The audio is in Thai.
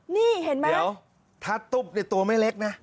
นี่เห็นไหมครับเดี๋ยวถ้าตุ๊บตัวไม่เล็กนะ